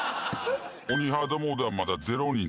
鬼ハードモードはまだ０人。